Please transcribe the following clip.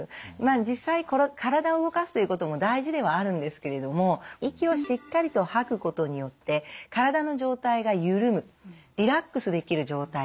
実際体を動かすということも大事ではあるんですけれども息をしっかりと吐くことによって体の状態が緩むリラックスできる状態